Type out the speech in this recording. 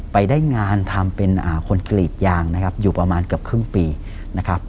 ไปได้งานทำเป็นคนกรีดยางนะครับอยู่ประมาณเกือบครึ่งปีนะครับ